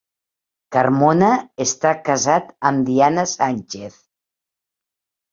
Carmona està casat amb Diana Sanchez.